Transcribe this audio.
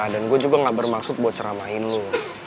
dan gue juga gak bermaksud buat ceramahin lo